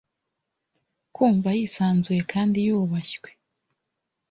kumva yisanzuye kandi yubashywe